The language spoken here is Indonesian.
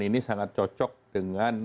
ini sangat cocok dengan